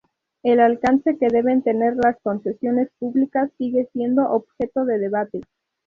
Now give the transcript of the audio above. El alcance que deben tener las concesiones públicas sigue siendo objeto de debate.